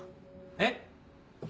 えっ⁉